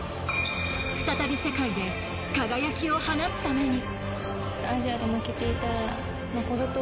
再び世界で輝きを放つために。